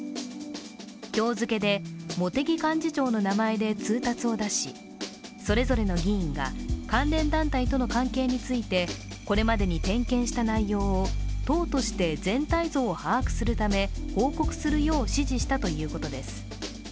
今日付で茂木幹事長の名前で通達を出しそれぞれの議員が関連団体との関係についてこれまでに点検した内容を党として全体像を把握するため報告するよう指示したということです。